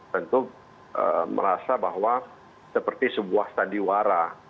tentu merasa bahwa seperti sebuah sandiwara